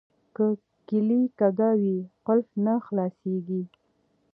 که کیلي کږه وي قلف نه خلاصیږي.